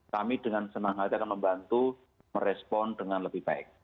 kami dengan senang hati akan membantu merespon dengan lebih baik